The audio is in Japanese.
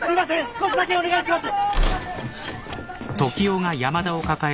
少しだけお願いします！